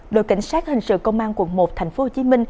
đội cảnh sát hình sự công an quận một tp hcm